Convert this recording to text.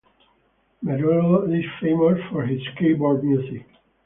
Merulo is famous for his keyboard music.